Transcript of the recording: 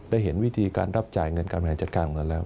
เห็นวิธีการรับจ่ายเงินการบริหารจัดการเงินแล้ว